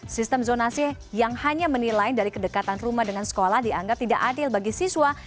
sistem zonasi yang hanya menilai dari kedekatan rumah dengan sekolah dianggap tidak adil bagi siswa